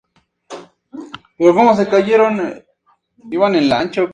Cruzaron Georgia, Carolina del Sur, Carolina del Norte y Tennessee.